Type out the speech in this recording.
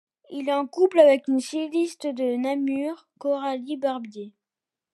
Il est en couple avec une styliste de Namur, Coralie Barbier.